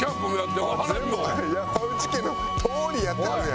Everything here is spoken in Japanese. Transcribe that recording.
全部山内家のとおりやってるやん。